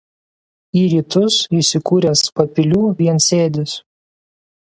Į rytus įsikūręs Papilių viensėdis.